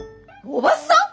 おばさん！？